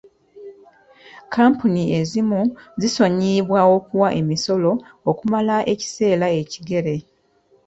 Kkampuni ezimu zisonyiyibwa okuwa emisolo okumala ekiseera ekigere.